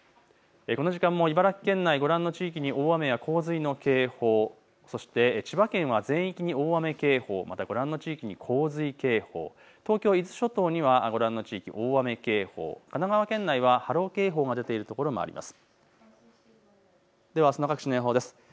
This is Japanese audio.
この時間も茨城県内、ご覧の地域に大雨や洪水の警報、そして千葉県には全域に大雨警報、またご覧の地域に洪水警報、東京伊豆諸島にはご覧の地域、大雨警報、神奈川県内は波浪警報が出ているところもあります。